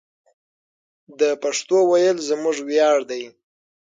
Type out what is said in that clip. د پښتو ویل زموږ ویاړ دی.